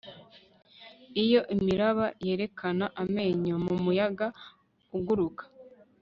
Iyo imiraba yerekana amenyo mumuyaga uguruka